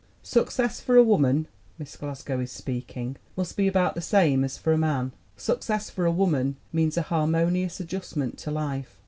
"Success for a woman" (Miss Glasgow is speaking) "must be about the same as for a man. Success for a woman means a harmonious adjustment to life.